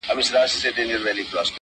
• يوه نه، دوې نه، څو دعاوي وكړو.